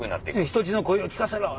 「人質の声を聞かせろ！」